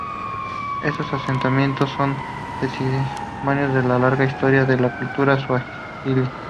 Estos asentamientos son testimonio de la larga historia de la cultura suajili.